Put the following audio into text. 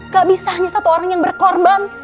gak bisa hanya satu orang yang berkorban